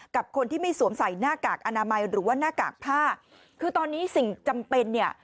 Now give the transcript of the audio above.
กับคนที่ไม่สวมใส่หน้ากากอนามัยหรือว่าหน้ากากผ้าคือตอนนี้สิ่งจำเป็นเนี่ย